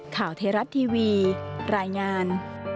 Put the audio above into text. ข่าวเทรัตน์ทีวีรายงาน